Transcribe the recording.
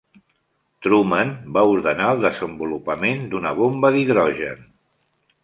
Truman va ordenar el desenvolupament d"una bomba d"hidrogen.